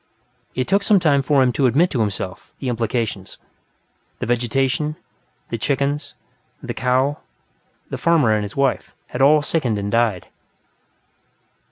It took some time for him to admit, to himself, the implications of vegetation, the chickens, the cow, the farmer and his wife, had all sickened and died.